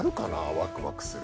ワクワクする。